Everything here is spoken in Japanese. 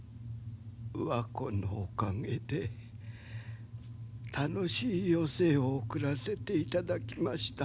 和子のおかげで楽しい余生を送らせていただきました。